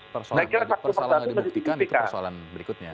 persoalan yang tidak dibuktikan itu persoalan berikutnya